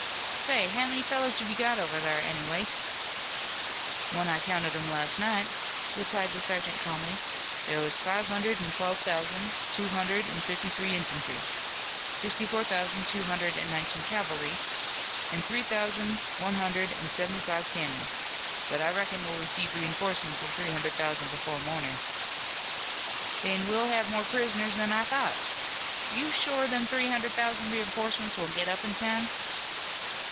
Say, how many fellers have you got over thar, anyway?" "When I counted 'em last night," replied the sergeant calmly, "there was five hundred and twelve thousand two hundred and fifty three infantry, sixty four thousand two hundred and nineteen cavalry an' three thousand one hundred and seventy five cannon, but I reckon we'll receive reinforcements of three hundred thousand before mornin'." "Then we'll have more prisoners than I thought. Are you shore them three hundred thousand reinforcements will get up in time?"